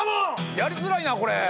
やりづらいなこれ。